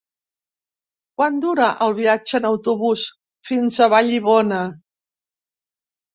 Quant dura el viatge en autobús fins a Vallibona?